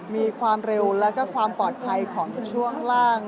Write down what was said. มีความเร็วแล้วก็ความปลอดภัยของช่วงล่าง